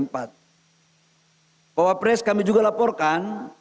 pak wapres kami juga laporkan